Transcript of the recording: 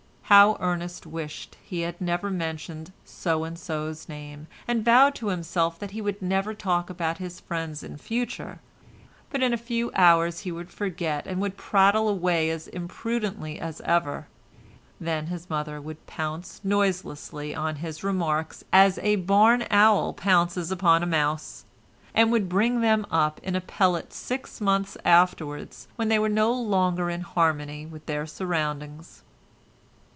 How Ernest wished he had never mentioned So and so's name, and vowed to himself that he would never talk about his friends in future, but in a few hours he would forget and would prattle away as imprudently as ever; then his mother would pounce noiselessly on his remarks as a barn owl pounces upon a mouse, and would bring them up in a pellet six months afterwards when they were no longer in harmony with their surroundings.